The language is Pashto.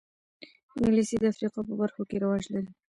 انګلیسي د افریقا په برخو کې رواج لري